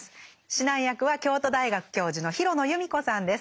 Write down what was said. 指南役は京都大学教授の廣野由美子さんです。